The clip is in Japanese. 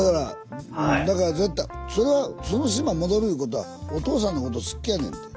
だからその島戻るいうことはお父さんのこと好きやねんて。